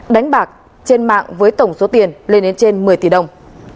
đánh bạc trên mạng với tổng số tiền lên đến trên một mươi tỷ đồng